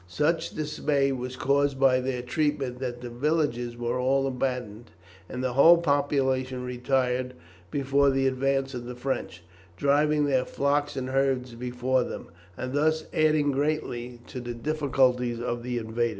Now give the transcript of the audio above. Such dismay was caused by their treatment that the villages were all abandoned, and the whole population retired before the advance of the French, driving their flocks and herds before them, and thus adding greatly to the difficulties of the invaders.